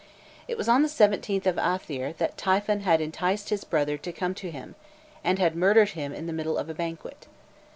It was on the 17th of Athyr that Typhon had enticed his brother to come to him, and had murdered him in the middle of a banquet.